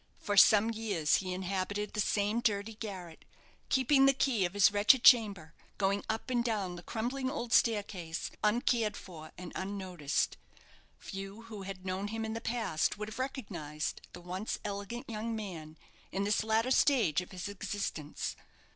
For some years he inhabited the same dirty garret, keeping the key of his wretched chamber, going up and down the crumbling old staircase uncared for and unnoticed. Few who had known him in the past would have recognized the once elegant young man in this latter stage of his existence.